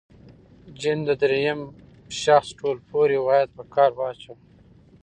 جین د درېیم شخص ټولپوه روایت په کار واچاوه.